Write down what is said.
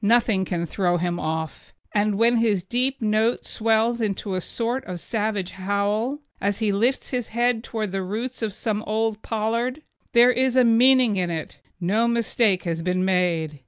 Nothing can throw him off it, and when his deep note swells into a sort of savage howl, as he lifts his head towards the roots of some old pollard, there is a meaning in it no mistake has been made.